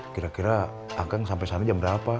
kira kira ah kang sampai sana jam berapa